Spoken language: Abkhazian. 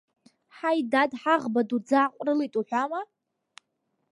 Ҳаи, дад, ҳаӷба ду ӡааҟәрылеит уҳәама?